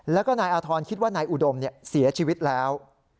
แล้วก็นายอาธรณ์คิดว่านายอุดมเสียชีวิตแล้ว